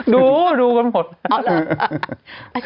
ดูดูกันหมด